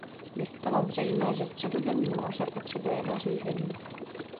Je zcela zřejmé, že Středozemní moře potřebuje nařízení.